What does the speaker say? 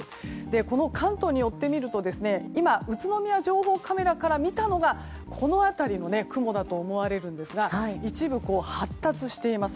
この関東に寄ってみると今、宇都宮の情報カメラから見たのがこの辺りの雲だと思われるんですが一部、発達しています。